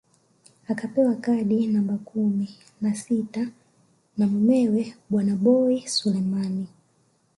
Akapewa kadi namba kumi na sita na mumewe bwana Boi Selemani